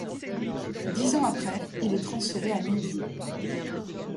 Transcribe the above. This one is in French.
Dix ans après il est transféré à Nîmes.